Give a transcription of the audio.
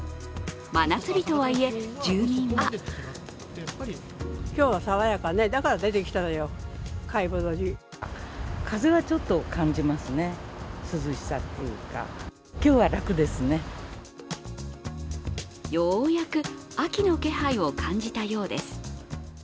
真夏日とはいえ、住民はようやく秋の気配を感じたようです。